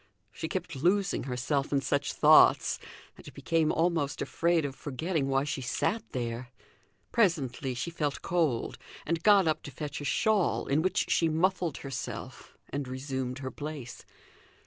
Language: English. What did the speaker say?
She kept losing herself in such thoughts, and became almost afraid of forgetting why she sat there. Presently she felt cold, and got up to fetch a shawl, in which she muffled herself and resumed her place.